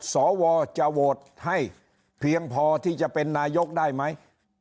สวจะโหวตให้เพียงพอที่จะเป็นนายกได้ไหม